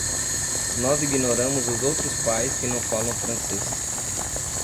Nós ignoramos os outros pais que não falam francês.